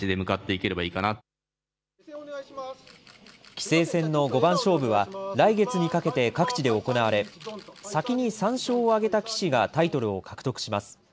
棋聖戦の五番勝負は、来月にかけて各地で行われ、先に３勝を挙げた棋士がタイトルを獲得します。